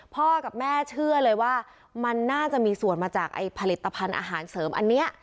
พ่อกับแม่เชื่อเลยว่ามันน่าจะมีส่วนมาจากผลิตภัณฑ์อาหารเสริมอันนี้